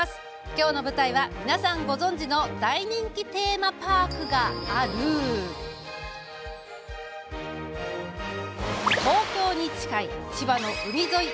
今日の舞台は、皆さんご存じの大人気テーマパークがある東京に近い千葉県の海沿い